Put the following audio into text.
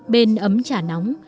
bên ấm trà nóng